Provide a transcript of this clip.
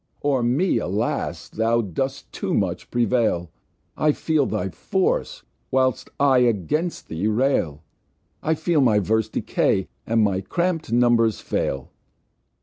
O'er me, alas! thou dost too much prevail: I feel thy Force, whilst I against thee rail; I feel my Verse decay, and my crampt Numbers fail.